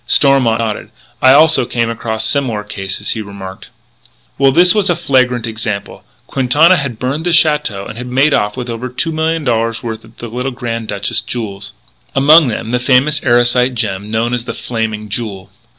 Stormont nodded: "I also came across similar cases," he remarked. "Well, this was a flagrant example. Quintana had burnt the château and had made off with over two million dollars worth of the little Grand Duchess's jewels among them the famous Erosite gem known as The Flaming Jewel."